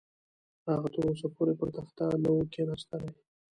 هغه تر اوسه پورې پر تخت نه وو کښېنستلی.